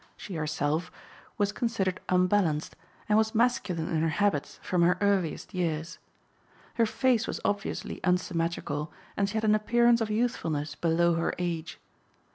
She herself was considered unbalanced, and was masculine in her habits from her earliest years. Her face was obviously unsymmetrical and she had an appearance of youthfulness below her age.